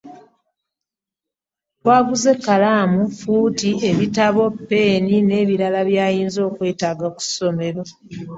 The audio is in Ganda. Twaguze ekalamu, fuuti, ebitabo, peni ne birala byayinza okwetaaga ku somero.